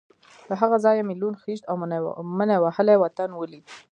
له هغه ځایه مې لوند، خېشت او مني وهلی وطن ولید.